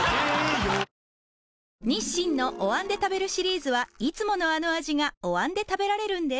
日清のお椀で食べるシリーズはいつものあの味がお椀で食べられるんです